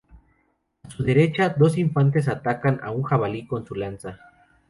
A su derecha, dos infantes atacan a un jabalí con su lanza.